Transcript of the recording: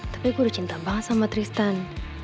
tapi gue udah cinta banget sama tristan